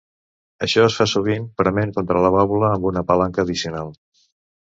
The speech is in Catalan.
Això es fa sovint prement contra la vàlvula amb una palanca addicional.